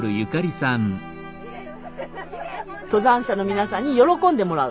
登山者の皆さんに喜んでもらう。